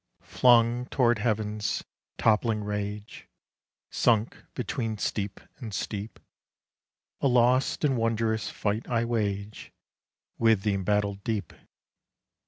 Flung toward heaven's toppling rage, Sunk between steep and steep, A lost and wondrous fight I wage With the embattled deep.